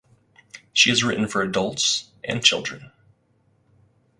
She has written for adults and children.